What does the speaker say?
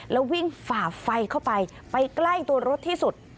แล้ววิ่งฝ่าไฟเข้าไปไปใกล้ตัวรถที่สุด